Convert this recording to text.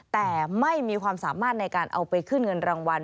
แต่ไม่มีความสามารถในการเอาไปขึ้นเงินรางวัล